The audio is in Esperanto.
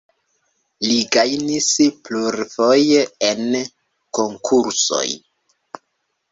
Li gajnis plurfoje en konkursoj.